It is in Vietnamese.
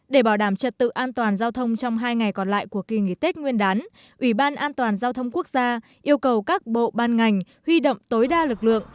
để bảo đảm trật tự an toàn giao thông trong hai ngày còn lại của kỳ nghỉ tết nguyên đán ủy ban an toàn giao thông quốc gia yêu cầu các bộ ban ngành huy động tối đa lực lượng